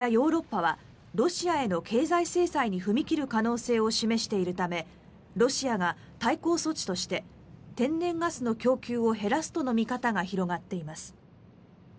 ウクライナ情勢が緊張する中アメリカやヨーロッパはロシアへの経済制裁に踏み切る可能性を示しているためロシアが対抗措置として天然ガスの供給を減らすとの見方が広がっています。